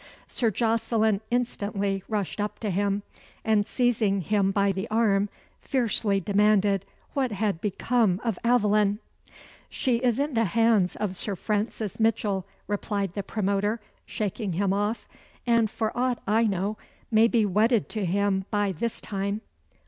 Sir Jocelyn instantly rushed up to him, and seizing him by the arm, fiercely demanded what had become of Aveline? "She is in the hands of Sir Francis Mitchell," replied the promoter, shaking him off; "and, for aught I know, may be wedded to him by this time."